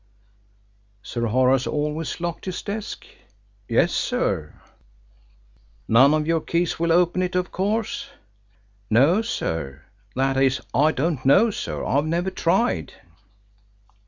"Sir Horace always locked his desk?" "Yes, sir." "None of your keys will open it, of course?" "No, sir. That is I don't know, sir. I've never tried."